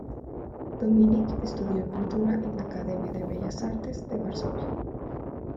Dominik estudió pintura en la Academia de Bellas Artes de Varsovia.